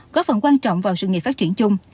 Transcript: có phần quan trọng vào sự nghiệp phát triển chung